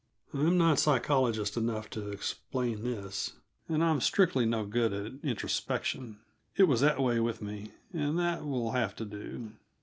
I'm not psychologist enough to explain this, and I'm strictly no good at introspection; it was that way with me, and that will have to do.